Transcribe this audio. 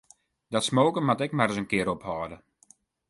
Dat smoken moat ek mar ris in kear ophâlde.